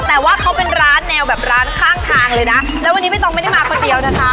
แต่ว่าเขาเป็นร้านแนวแบบร้านข้างทางเลยนะแล้ววันนี้ไม่ต้องไม่ได้มาคนเดียวนะคะ